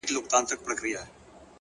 نظم د هدفونو ساتونکی دی.